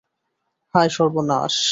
হায়, সর্বনাশ।